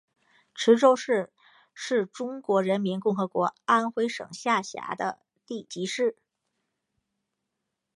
池州市是中华人民共和国安徽省下辖的地级市。